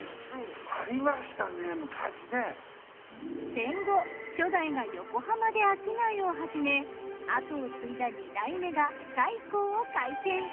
戦後初代が横浜で商いを始め跡を継いだ２代目が菜香を開店。